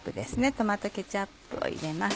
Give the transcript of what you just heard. トマトケチャップを入れます。